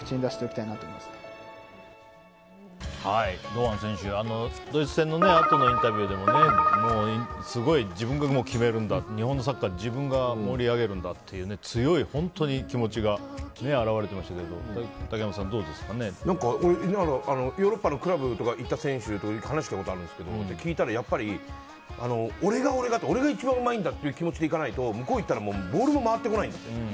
堂安選手、ドイツ戦のあとのインタビューでももうすごい、自分が決めるんだ日本のサッカーを自分が盛り上げるんだという本当に強い気持ちが表れてましたけどヨーロッパのクラブとか行った選手と話したことがあるんですけど聞いたら、やっぱり俺が俺が、一番うまいんだって気持ちで行かないと向こうに行ったらボールも回ってこないんだって。